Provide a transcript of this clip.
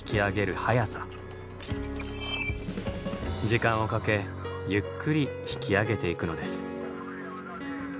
時間をかけゆっくり引き上げていくのです。